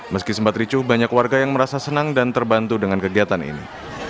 meski sempat ricuh banyak warga yang merasa senang dan terbantu dengan kegiatan ini